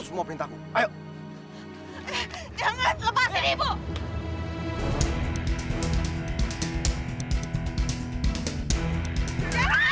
saya udah bilang saya gak mau ketemu kamu lagi pausat